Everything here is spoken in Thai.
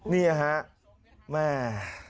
นี่ฮะแม่